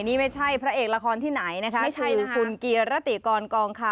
นี่ไม่ใช่พระเอกละครที่ไหนนะคะไม่ใช่คุณเกียรติกรกองคา